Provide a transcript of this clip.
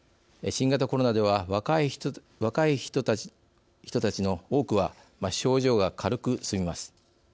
新型コロナでは若い人たちの多くは症状が軽く済みます。